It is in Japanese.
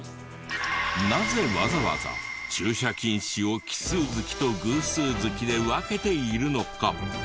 なぜわざわざ駐車禁止を奇数月と偶数月で分けているのか？